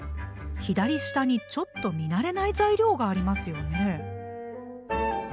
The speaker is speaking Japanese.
左下にちょっと見慣れない材料がありますよね。